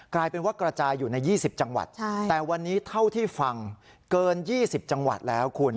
กลายเป็นว่ากระจายอยู่ใน๒๐จังหวัดแต่วันนี้เท่าที่ฟังเกิน๒๐จังหวัดแล้วคุณ